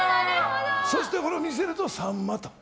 そしてこれを見せると、さんまと。